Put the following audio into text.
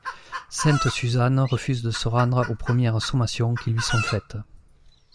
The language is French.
Sainte-Suzanne refuse de se rendre aux premières sommations qui lui sont faites.